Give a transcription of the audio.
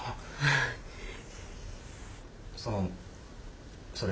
そのそれ。